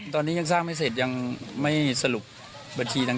ตอนนี้ยังสร้างไม่เสร็จยังไม่สรุปบัญชีดัง